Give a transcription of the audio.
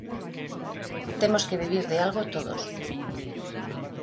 Temos que vivir de algo todos.